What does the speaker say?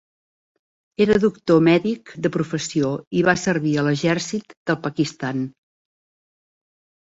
Era doctor mèdic de professió i va servir a l'exèrcit del Pakistan.